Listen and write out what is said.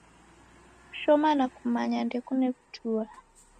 Kushoma na kumanya ndekune kutua